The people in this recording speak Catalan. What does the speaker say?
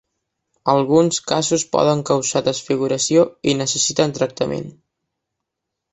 Alguns casos poden causar desfiguració i necessiten tractament.